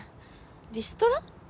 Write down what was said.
リストラ？